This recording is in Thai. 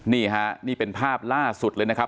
นี่ฮะนี่เป็นภาพล่าสุดเลยนะครับ